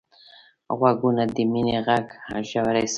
غوږونه د مینې غږ ژور احساسوي